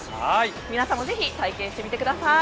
皆さんもぜひ体験してみてください。